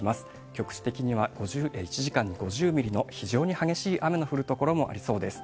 局地的には１時間に５０ミリの非常に激しい雨の降る所もありそうです。